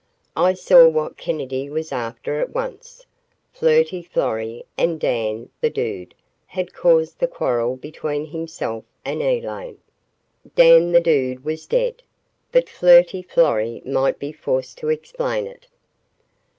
I saw what Kennedy was after at once. Flirty Florrie and Dan the Dude had caused the quarrel between himself and Elaine. Dan the Dude was dead. But Flirty Florrie might be forced to explain it.